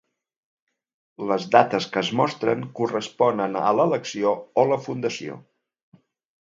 Les dates que es mostren corresponen a l'elecció o la fundació.